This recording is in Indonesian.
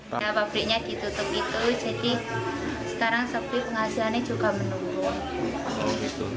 pabriknya ditutup itu jadi sekarang seperti penghasilannya juga menurun